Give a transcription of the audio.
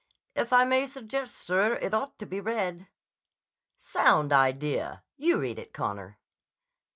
"If I may suggest, sir, it ought to be read." "Sound idea! You read it, Connor."